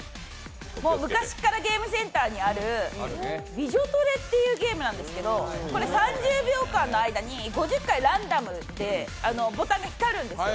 昔からゲームセンターにある「ビジョトレ！」っていうゲームなんですけど３０秒間に５０回ランダムでボタンが光るんですよ。